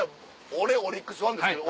俺オリックスファンですけど。